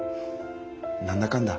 何だかんだ